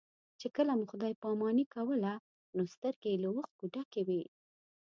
چې کله مو خدای پاماني کوله نو سترګې یې له اوښکو ډکې وې.